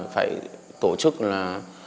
phải tổ chức là